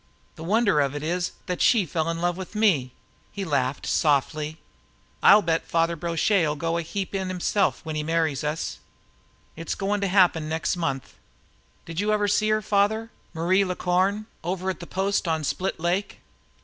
The wonder of it is that she fell in love with me." He laughed softly. "I'll bet Father Brochet'll go in a heap himself when he marries us! It's goin' to happen next month. Did you ever see her, father Marie La Corne, over at the post on Split Lake?"